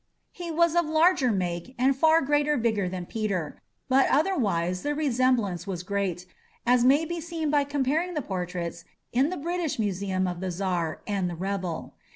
He was of larger make and far greater vigour than Peter, but otherwise the resemblance was great, as may be seen by comparing the portraits in the British Museum of the Czar and the rebel.